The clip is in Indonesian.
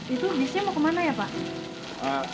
itu bisnya mau kemana ya pak